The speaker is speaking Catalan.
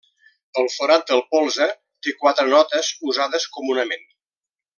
El forat del polze té quatre notes usades comunament.